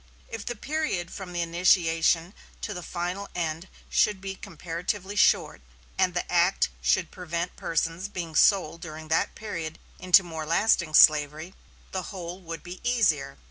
If the period from the initiation to the final end should be comparatively short, and the act should prevent persons being sold during that period into more lasting slavery, the whole would be easier.